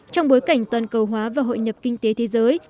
trong bối cảnh toàn cầu hóa và hội nhập kinh tế thế giới